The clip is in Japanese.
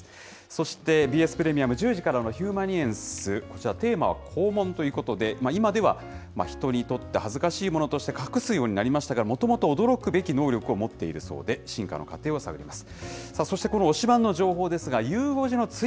そしてＢＳプレミアム１０時からのヒューマニエンス、こちら、テーマは肛門ということで、今では、ひとにとって恥ずかしいものとして隠すようになりましたが、もともと驚くべき能力を持っているそうで、進化の過程を探ります。